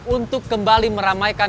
untuk kembali meramaikan